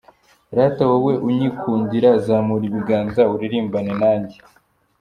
Rata, wowe unyikundira, Zamura ibiganza uririmbane nanjye”.